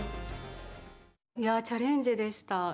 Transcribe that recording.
いやチャレンジでした。